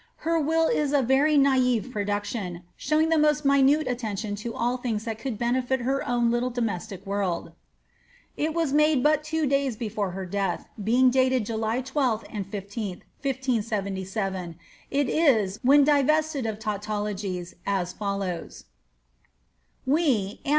Iler will ia a very naicc production, showing the moat minute attention to til things that could benefit her own little domestic world. It was made l>ut two days before her death, being dated July I2th and l&lh, 1577; It is, wlion divested of tautologies, as follows :—• W".